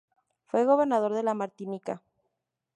Fue gobernador de la Martinica.